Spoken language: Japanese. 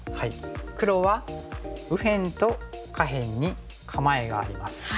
黒は右辺と下辺に構えがあります。